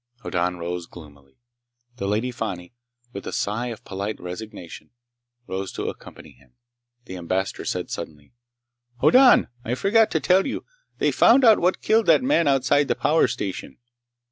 Hoddan rose, gloomily. The Lady Fani, with a sigh of polite resignation, rose to accompany him. The Ambassador said suddenly: "Hoddan! I forgot to tell you! They found out what killed that man outside the power station!"